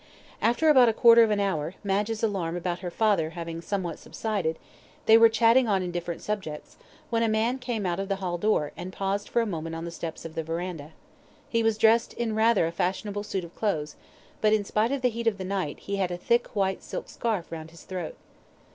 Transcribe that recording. After about a quarter of an hour, Madge's alarm about her father having somewhat subsided, they were chatting on indifferent subjects, when a man came out of the hall door, and paused for a moment on the steps of the verandah. He was dressed in rather a fashionable suit of clothes, but, in spite of the heat of the night, he had a thick white silk scarf round his throat.